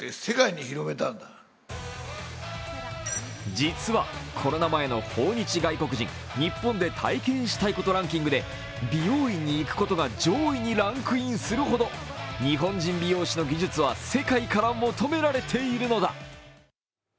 実は、コロナ前の訪日外国人日本で体験したいことランキングで美容院に行くことが上位にランクインするほど、日本人美容師の技術は世界から求められているのだ。